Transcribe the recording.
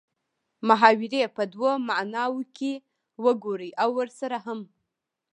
محاورې په دوو معنو کښې وګورئ او ورسره هم